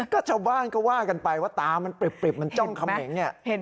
ก็ชาวบ้านก็ว่ากันไปว่าตามันปริบมันจ้องเขมงเนี่ย